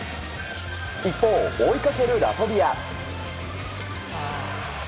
一方、追いかけるラトビア。